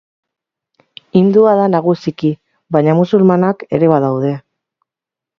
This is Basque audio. Hindua da nagusiki, baina musulmanak ere badaude.